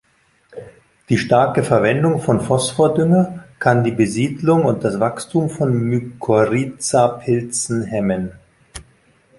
Die starke Verwendung von Phosphordünger kann die Besiedlung und das Wachstum von Mykorrhizapilzen hemmen.